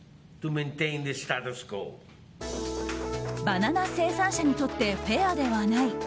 バナナ生産者にとってフェアではない。